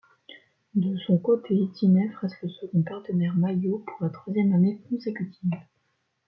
De son côté, Dyneff reste le second partenaire maillot, pour la troisième année consécutive.